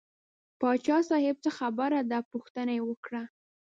پاچا صاحب څه خبره ده پوښتنه یې وکړه.